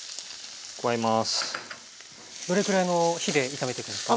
どれくらいの火で炒めていくんですか？